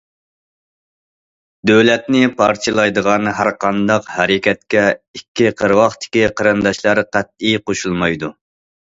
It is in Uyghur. دۆلەتنى پارچىلايدىغان ھەر قانداق ھەرىكەتكە ئىككى قىرغاقتىكى قېرىنداشلار قەتئىي قوشۇلمايدۇ.